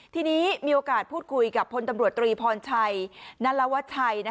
ทีนี้มีโอกาสพูดคุยกับพลตำรวจตรีพรชัยนรวชัย